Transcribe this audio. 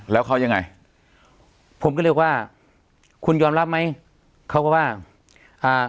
แล้วเขายังไงผมก็เรียกว่าคุณยอมรับไหมเขาก็ว่าอ่า